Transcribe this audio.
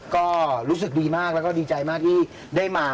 ก็รู้สึกดีมากแล้วก็ดีใจมากที่ได้มา